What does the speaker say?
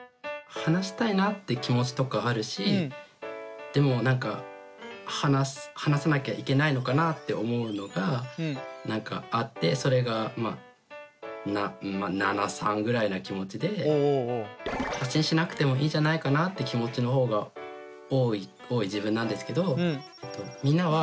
話したいなって気持ちとかあるしでも話さなきゃいけないのかなって思うのがなんかあってそれがまあ７：３ぐらいの気持ちで発信しなくてもいいんじゃないかなって気持ちの方が多い自分なんですけど。